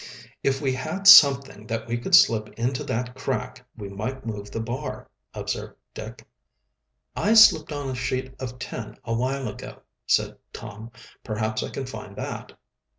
"If we had something that we could slip into that crack, we might move the bar," observed Dick. "I slipped on a sheet of tin a while ago," said Tom. "Perhaps I can find that."